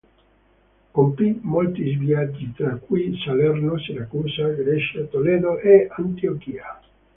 Compì molti viaggi, tra cui Salerno, Siracusa, Grecia, Toledo e Antiochia.